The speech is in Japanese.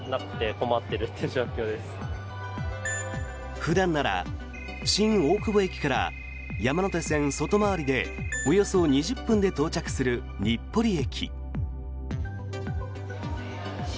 普段なら新大久保駅から山手線外回りでおよそ２０分で到着する日暮里駅。